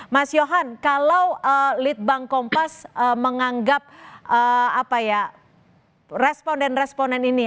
mas yohan kalau lead bank kompas menganggap apa ya responden responden ini